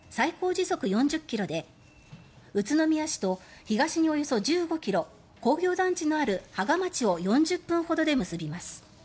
時速４０ｋｍで宇都宮市と東におよそ１５ｋｍ工業団地のある芳賀町を４０分ほどで結びます。